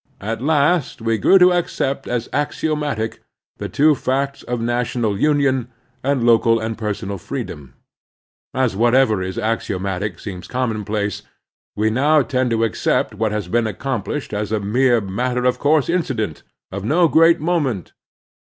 At last we grew to accept as axiomatic the two facts of national union and local and personal freedom. As what ever is axiomatic seems commonplace, we now tend to accept what has been accomplished as a mere matter of course incident, of no great mo ment.